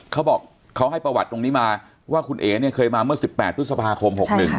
เขาบอกเขาให้ประวัติตรงนี้มาว่าคุณเอ๋เนี่ยเคยมาเมื่อ๑๘พฤษภาคม๖๑